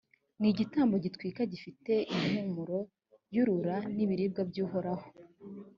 ni igitambo gitwikwa gifite impumuro yurura, ni ibiribwa by’uhoraho.